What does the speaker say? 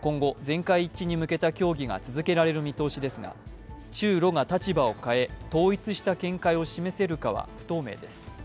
今後、全会一致に向けた協議が続けられる見通しですが中ロが立場を変え統一した見解を示せるかは不透明です。